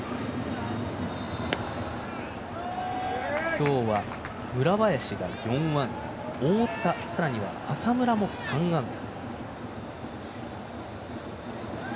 今日は村林が４安打太田、さらには浅村も３安打。